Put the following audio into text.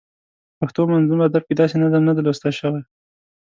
په پښتو منظوم ادب کې داسې نظم نه دی لوستل شوی.